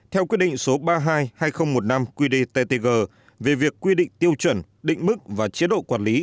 theo quyết định số ba mươi hai hai nghìn một mươi năm quy đề ttg về việc quy định tiêu chuẩn định mức và chế độ quản lý